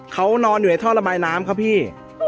เขานอนอยู่ในท่อระบายน้ำครับพี่